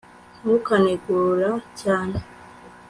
ntukanegura cyane